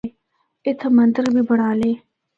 اِتھا مندر بھی بنڑالے۔